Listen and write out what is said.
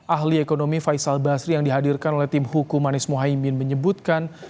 ahli ekonomi faisal basri yang dihadirkan oleh tim hukum anies mohaimin menyebutkan